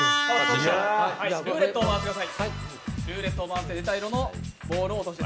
ルーレットを回してください。